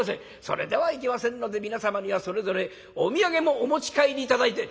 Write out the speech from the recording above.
それではいけませんので皆様にはそれぞれお土産もお持ち帰り頂いて」。